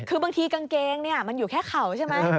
คือบางทีกางเกงมันอยู่แค่เข่าใช่ไหม